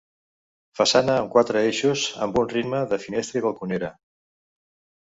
Façana amb quatre eixos amb un ritme de finestra i balconera.